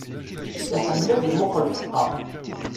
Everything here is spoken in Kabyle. Iḥemmel ad imuqqel f ṭṭaq.